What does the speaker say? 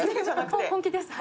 本気です。